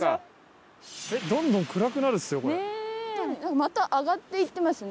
また上がっていってますね。